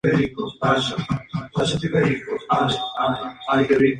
Ocasionalmente se lo captura y exhibe en acuarios.